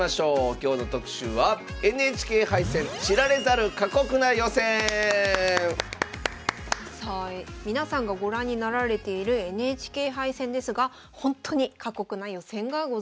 今日の特集は皆さんがご覧になられているＮＨＫ杯戦ですがほんとに過酷な予選がございます。